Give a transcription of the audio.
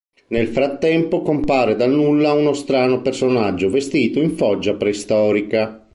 Nel frattempo compare dal nulla uno strano personaggio vestito in foggia preistorica.